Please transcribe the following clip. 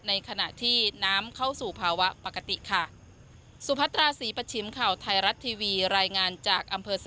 ในขณะที่น้ำเข้าสู่ภาวะปกติค่ะ